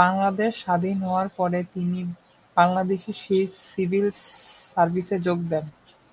বাংলাদেশ স্বাধীন হওয়ার পরে তিনি বাংলাদেশী সিভিল সার্ভিসে যোগ দেন।